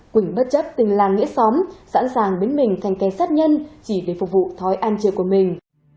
quỳnh bất chấp tình làng nghĩa xóm sẵn sàng biến mình thành cây sát nhân chỉ để phục vụ thói ăn chơi của mình